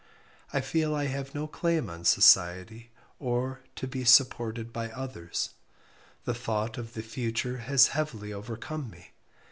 I feel I have no claim on society or to be supported by others, the thought of the future has heavily overcome me.